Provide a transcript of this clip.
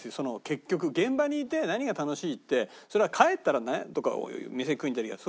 結局現場にいて何が楽しいってそりゃ帰ったらとか店に食いに行ったりは。